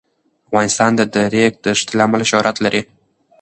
افغانستان د د ریګ دښتې له امله شهرت لري.